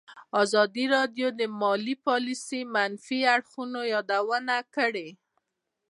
ازادي راډیو د مالي پالیسي د منفي اړخونو یادونه کړې.